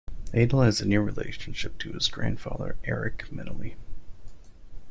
Atle has a near relationship to his grandfather Erik Meneilly.